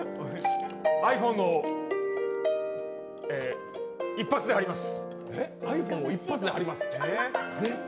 ｉＰｈｏｎｅの一発で貼ります。